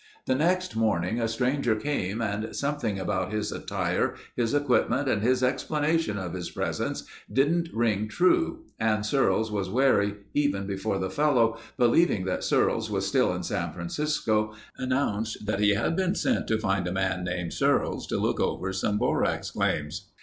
The next morning a stranger came and something about his attire, his equipment, and his explanation of his presence didn't ring true and Searles was wary even before the fellow, believing that Searles was still in San Francisco announced that he had been sent to find a man named Searles to look over some borax claims.